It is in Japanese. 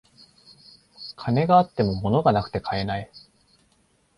金があっても物がなくて買えない